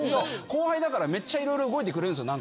後輩だからめっちゃ色々動いてくれるんですよ。